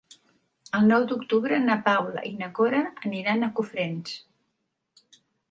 El nou d'octubre na Paula i na Cora aniran a Cofrents.